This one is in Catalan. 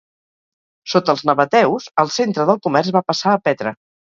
Sota els nabateus el centre del comerç va passar a Petra.